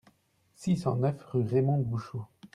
six cent neuf rue Raymonde Bouchaut